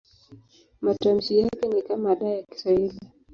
Matamshi yake ni kama D ya Kiswahili.